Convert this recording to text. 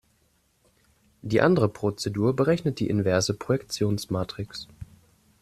Die andere Prozedur berechnet die inverse Projektionsmatrix.